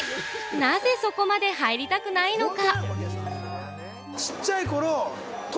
なぜ、そこまで入りたくないのか？